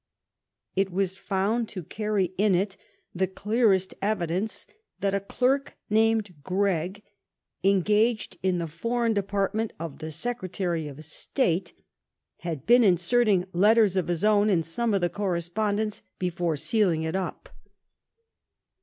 It was found to carry in it the clearest evidence that a clerk named Gregg, engaged in the foreign department of the Secretary of State, had been inserting letters of his own in some of the correspondence before sealing it up.